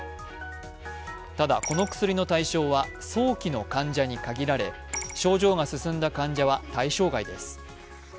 ただ、この薬の対象は、早期の患者に限られ、症状が進んだ患者は対象外です。